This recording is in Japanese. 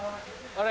あれ？